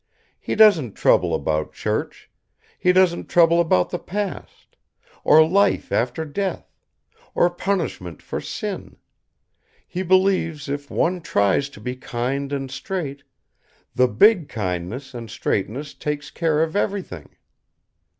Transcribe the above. He doesn't trouble about church. He doesn't trouble about the past, or life after death, or punishment for sin. He believes if one tries to be kind and straight, the big Kindness and Straightness takes care of everything.